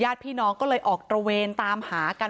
พี่น้องก็เลยออกตระเวนตามหากัน